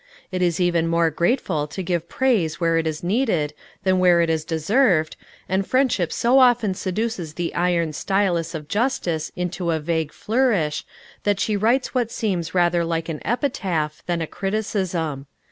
It is even more grateful to give praise where it is needed than where it is deserved, and friendship so often seduces the iron stylus of justice into a vague flourish, that she writes what seems rather like an epitaph than a criticism.